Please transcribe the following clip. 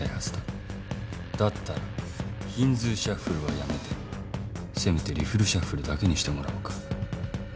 だったらヒンズーシャッフルはやめてせめてリフルシャッフルだけにしてもらおうか。